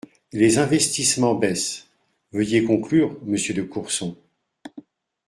Les investissements baissent… Veuillez conclure, monsieur de Courson.